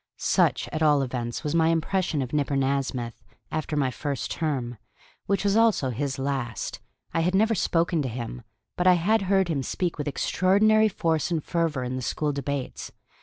Such, at all events, was my impression of Nipper Nasmyth, after my first term, which was also his last. I had never spoken to him, but I had heard him speak with extraordinary force and fervor in the school debates.